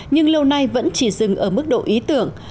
nhưng lâu nay vẫn chỉ dừng ở mức độ ý tưởng